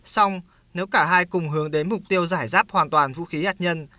xong nếu cả hai cùng hướng đến mục tiêu giải giáp hoàn toàn vũ khí hạt nhân